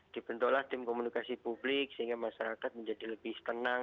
dibentuklah tim komunikasi publik sehingga masyarakat menjadi lebih tenang